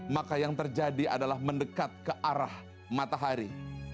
maka yang terjadi adalah mendekat ke arah matahari